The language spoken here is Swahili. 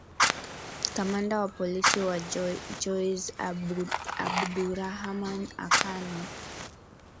kamanda wa polisi wa joes abdurahaman akano